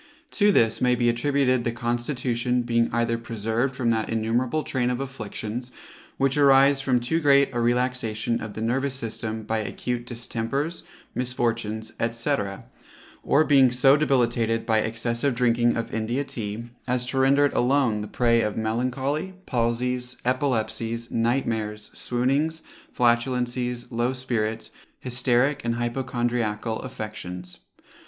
To this may be attributed the constitution being either preserved from that innumerable train of afflictions, which arise from too great a relaxation of the nervous system by acute distempers, misfortunes, &c. or being so debilitated by excessive drinking of India Tea, as to render it alone the prey of melancholy, palsies, epilepsies, night mares, swoonings, flatulencies, low spirits, hysteric and hypochondriacal affections.